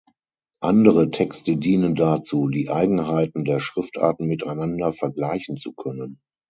Andere Texte dienen dazu, die Eigenheiten der Schriftarten miteinander vergleichen zu können.